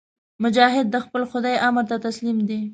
مجاهد د خپل خدای امر ته تسلیم دی.